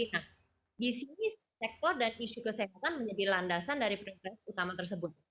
nah di sini sektor dan isu kesehatan menjadi landasan dari progres utama tersebut